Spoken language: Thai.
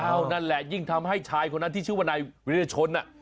อ้าวนั่นแหละยิ่งทำให้ชายคนนั้นที่ชื่อวนายวิรชนอ่ะ